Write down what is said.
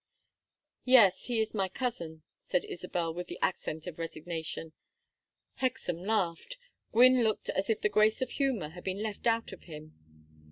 "Yes, he is my cousin," said Isabel, with the accent of resignation. Hexam laughed. Gwynne looked as if the grace of humor had been left out of him.